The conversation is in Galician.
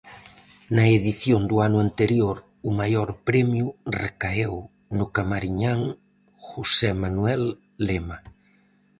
Na edición do ano anterior, o maior premio recaeu no camariñán José Manuel Lema.